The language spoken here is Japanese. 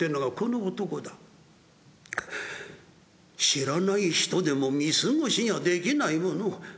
「知らない人でも見過ごしにはできないもの。